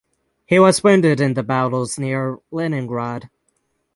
He was wounded in the battles near Leningrad.